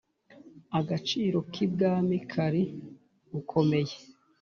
agaciro k ibwami kari gukomeye